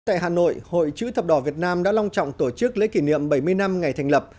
tại hà nội hội chữ thập đỏ việt nam đã long trọng tổ chức lễ kỷ niệm bảy mươi năm ngày thành lập